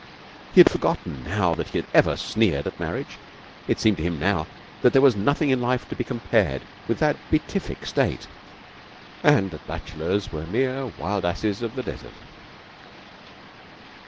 He had forgotten now that he had ever sneered at marriage. It seemed to him now that there was nothing in life to be compared with that beatific state, and that bachelors were mere wild asses of the desert.